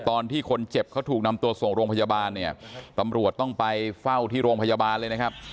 ตอนที่คนเจ็บเขาถูกนำตัวส่งโรงพยาบาลเนี่ยตำรวจต้องไปเฝ้าที่โรงพยาบาลเลยนะครับ